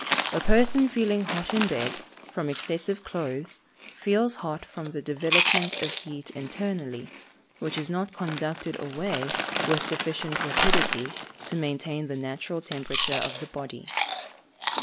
A person feeling hot in bed, from excessive clothes, feels hot from the development of heat internally, which is not conducted away with sufficient rapidity to maintain the natural temperature of the body.